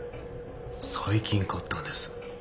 最近買ったんです。